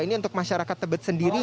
ini untuk masyarakat tebet sendiri